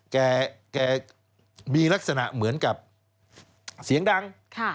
แกมีลักษณะเหมือนกับเสียงดัง